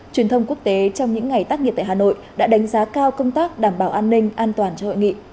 truyền thông quốc tế trong những ngày tác nghiệp tại hà nội đã đánh giá cao công tác đảm bảo an ninh an toàn cho hội nghị